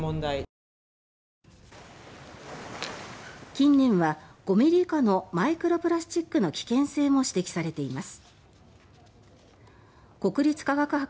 近年は、５ｍｍ以下のマイクロプラスチックの危険性も指摘されています。